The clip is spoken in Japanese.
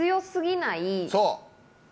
そう！